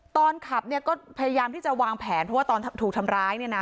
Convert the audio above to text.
ตอนขับเนี่ยก็พยายามที่จะวางแผนเพราะว่าตอนถูกทำร้ายเนี่ยนะ